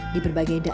di berbagai daerah